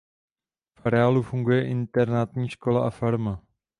V areálu funguje internátní škola a farma.